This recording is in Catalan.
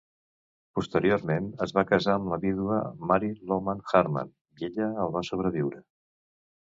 Posteriorment es va casar amb la vídua Mary Loman Hartman i ella el va sobreviure.